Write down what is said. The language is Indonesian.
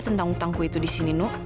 tentang hutangku itu disini nuk